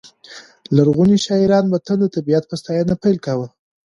لرغوني شاعران به تل د طبیعت په ستاینه پیل کاوه.